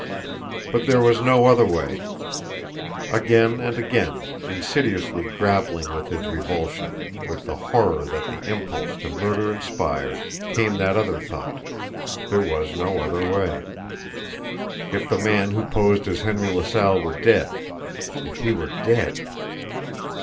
But there was no other way! Again and again, insidiously grappling with his revulsion, with the horror that the impulse to murder inspired, came that other thought there was no other way. If the man who posed as Henry LaSalle were DEAD! If he were dead!